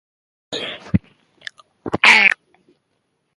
ايا لوږه د تقدير پايله ګڼل کيده؟